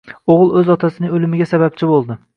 o`g`il o`z otasining o`limiga sababchi bo`ldi